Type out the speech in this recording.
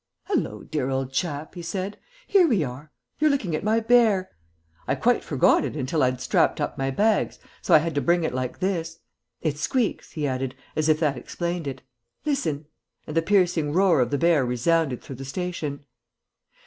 "Hallo, dear old chap," he said, "here we are! You're looking at my bear. I quite forgot it until I'd strapped up my bags, so I had to bring it like this. It squeaks," he added, as if that explained it. "Listen," and the piercing roar of the bear resounded through the station.